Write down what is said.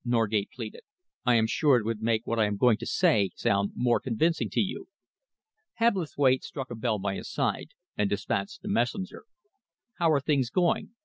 Norgate pleaded. "I am sure it would make what I am going to say sound more convincing to you." Hebblethwaite struck a bell by his side and despatched a messenger. "How are things going?"